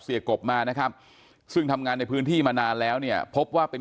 กบมานะครับซึ่งทำงานในพื้นที่มานานแล้วเนี่ยพบว่าเป็น